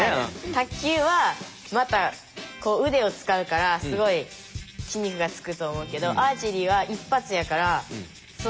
卓球はまたこう腕を使うからすごい筋肉がつくと思うけどアーチェリーは一発やからそうでもないかなと。